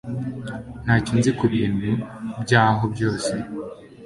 Ntacyo nzi ku bintu byaho byose